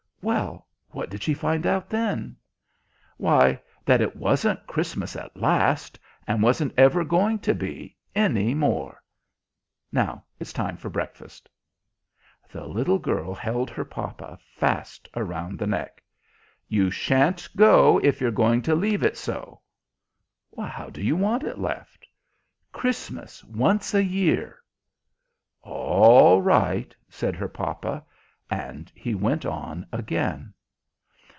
"Well, what did she find out, then?" "Why, that it wasn't Christmas at last, and wasn't ever going to be, any more. Now it's time for breakfast." The little girl held her papa fast around the neck. "You sha'n't go if you're going to leave it so!" "How do you want it left?" "Christmas once a year." "All right," said her papa; and he went on again.